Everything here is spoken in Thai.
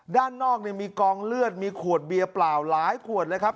ด้านนอกมีกองเลือดมีขวดเบียร์เปล่าหลายขวดเลยครับ